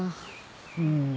うん。